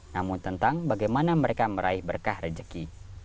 namun tentang bagaimana mereka meraih berkah rejeki